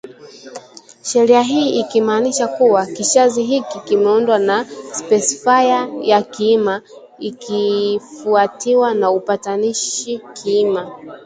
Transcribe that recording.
Sheria hii ikimaanisha kuwa kishazi hiki kimeundwa na spesifaya ya kiima ikifuatiwa na upatanishi kiima